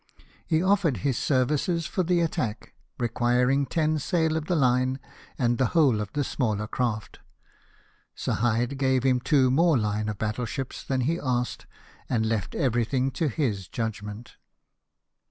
He offered his services for the attack, requiring ten sail of the line and the whole of the smaller craft. Sir Hyde gave him two more line of battle ships than he asked, and left everything to his judgment.